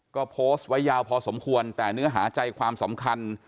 ก็โพสต์ไว้ยาวพอสมควรแต่เนื้อหาใจความสำคัญ